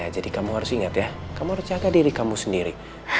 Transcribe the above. jadi kamu harus inget ya kamu harus jaga diri kamu sendiri